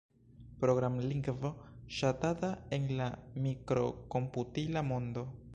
Programlingvo ŝatata en la mikrokomputila mondo.